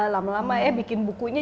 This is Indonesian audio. lama lama ya bikin bukunya